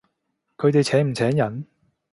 佢哋請唔請人？